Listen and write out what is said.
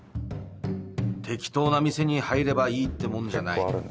適当な店に入ればいいってもんじゃない